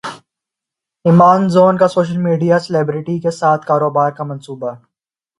Amazon کا social media celebrity کے ساتھ کاروبار کا منصوبہ